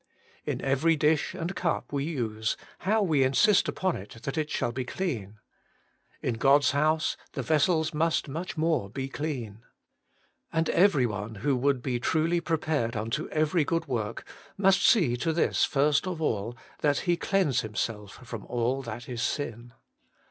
In every dish and cup we use, how we insist upon it that it shall be clean. In God's house the vessels rnust much more be clean. And every one who would be truly prepared unto every good work must see to this first of all, that he cleanse him self from all that is sin.